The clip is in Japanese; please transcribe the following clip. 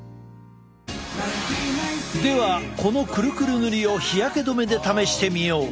ではこのクルクル塗りを日焼け止めで試してみよう！